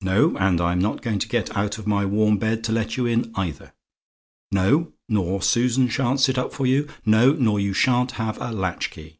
No: and I'm not going to get out of my warm bed to let you in, either. No: nor Susan shan't sit up for you. No: nor you shan't have a latchkey.